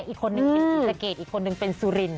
อีกคนนึงเป็นศรีสะเกดอีกคนนึงเป็นสุรินท